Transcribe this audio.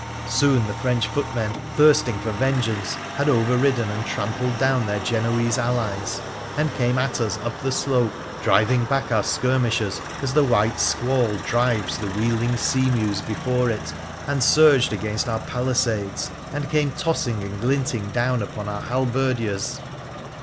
Soon the French footmen, thirsting for vengeance, had overridden and trampled down their Genoese allies, and came at us up the slope, driving back our skir mishers as the white squall drives the wheeling seamews before it, and surged against our palisades, and came tossing and glinting down upon our halberdiers.